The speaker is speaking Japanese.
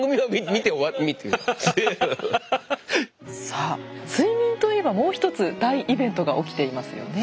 さあ睡眠といえばもう一つ大イベントが起きていますよね。